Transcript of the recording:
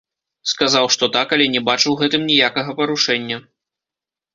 Сказаў, што так, але не бачу ў гэтым ніякага парушэння.